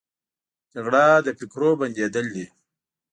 جګړه د فکرو بندېدل دي